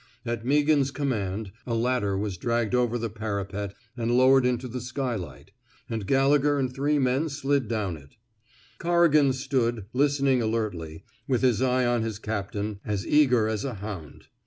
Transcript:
At Meaghan's command, a ladder was dragged over the parapet and lowered into the skylight, and Giallegher and three men slid down it. Corrigan stood, listening alertly, with his eye on his captain, as eager as a hound.